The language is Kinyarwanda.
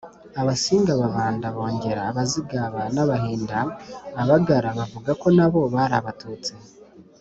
abasinga, ababanda, abongera, abazigaba, n’abahinda. abagara bavuga ko nabo bari abatutsi.